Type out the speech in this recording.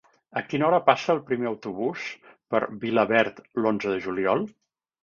A quina hora passa el primer autobús per Vilaverd l'onze de juliol?